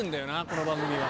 この番組は。